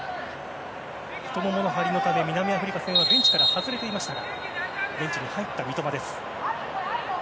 太ももの張りのため南アフリカ戦はベンチから外れていましたがベンチに入った三笘です。